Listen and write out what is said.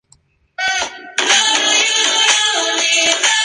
Actualmente vive en Rosario.